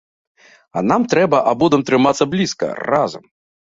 А нам трэба абодвум трымацца блізка, разам.